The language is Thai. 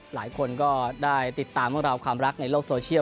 หลายคนก็ได้ติดตามเรื่องราวความรักในโลกโซเชียล